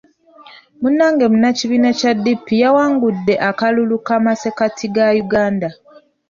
Munnange munnakibiina kya DP y'awangudde akalulu k'amasekkati ga Uganda.